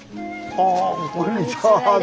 ああこんにちは。